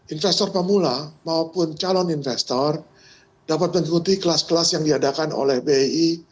investor pemula maupun calon investor dapat mengikuti kelas kelas yang diadakan oleh bi